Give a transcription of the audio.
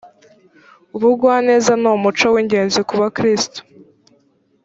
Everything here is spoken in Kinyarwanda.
ubugwaneza ni umuco w ingenzi ku bakristo